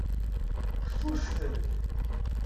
Ccucfent.